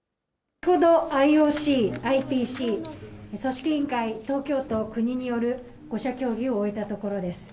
ＩＯＣ、ＩＰＣ、組織委員会、東京都、国による５者協議を終えたところです。